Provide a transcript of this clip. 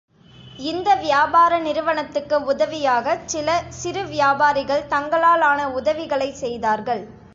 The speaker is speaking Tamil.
இந்த வியாபார நிறுவனத்துக்கு உதவியாகச் சில சிறு வியாபாரிகள் தங்களாலான உதவிகளைச் செய்தார்கள்.